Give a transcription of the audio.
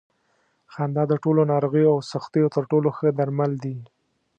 خندا د ټولو ناروغیو او سختیو تر ټولو ښه درمل دي.